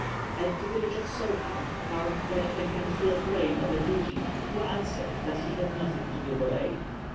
At the village of Souha, Park begged a handful of grain of a "dooty," who answered that he had nothing to give away.